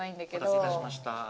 お待たせいたしました。